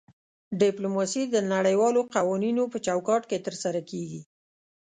ډیپلوماسي د نړیوالو قوانینو په چوکاټ کې ترسره کیږي